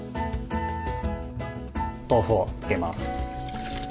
豆腐をつけます。